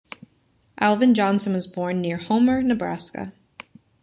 Alvin Johnson was born near Homer, Nebraska.